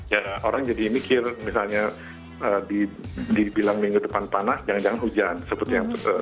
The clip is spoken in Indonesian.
ya orang jadi mikir misalnya dibilang minggu depan panas jangan jangan hujan seperti yang terjadi tadi malam tiba tiba hujan